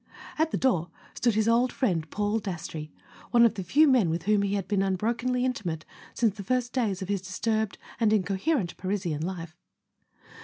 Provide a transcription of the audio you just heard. At the door stood his old friend Paul Dastrey, one of the few men with whom he had been unbrokenly intimate since the first days of his disturbed and in¬ coherent Parisian life.